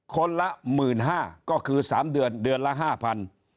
คนละ๑๕๐๐ก็คือ๓เดือนเดือนละ๕๐๐บาท